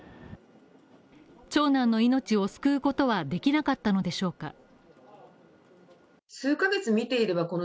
長男の命を救うことはできなかったのでしょうか？